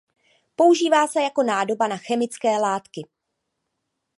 Používá se jako nádoba na chemické látky.